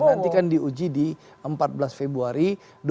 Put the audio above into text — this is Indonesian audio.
nanti kan diuji di empat belas februari dua ribu dua puluh